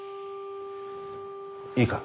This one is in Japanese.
いいか？